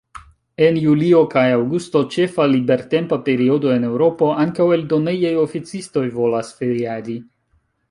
En julio kaj aŭgusto, ĉefa libertempa periodo en Eŭropo, ankaŭ eldonejaj oficistoj volas feriadi.